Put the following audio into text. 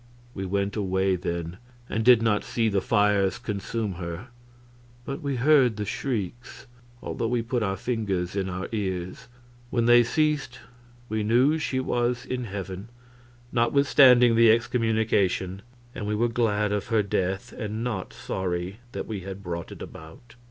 We went away then, and did not see the fires consume her, but we heard the shrieks, although we put our fingers in our ears. When they ceased we knew she was in heaven, notwithstanding the excommunication; and we were glad of her death and not sorry that we had brought it about.